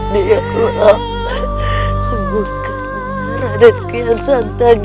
lihatlah sungguh kemana raden kian santagin